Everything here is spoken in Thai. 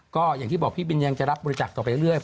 ก็อย่างที่บอกพี่บินยังจะรับบริจาคต่อไปเรื่อย